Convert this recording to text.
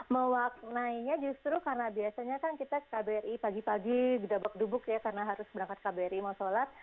mewaknainya justru karena biasanya kan kita kbri pagi pagi sudah bok dubuk ya karena harus berangkat kbri mau sholat